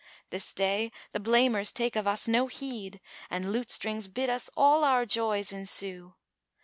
This day the blamers take of us no heed * And lute strings bid us all our joys ensue.